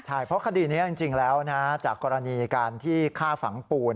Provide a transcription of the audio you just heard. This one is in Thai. ใช่เพราะคดีนี้จริงแล้วจากกรณีการที่ฆ่าฝังปูน